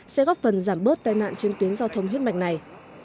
sẽ góp phần giảm bớt tai nạn trên tuyến giao thông huyết mạch này